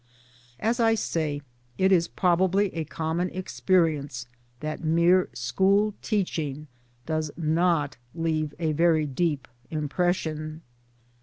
As I say, it is probably a common experience that mere school teaching does not leave a very deep impression.